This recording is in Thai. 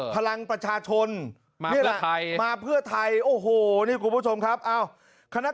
ภลังประชาชน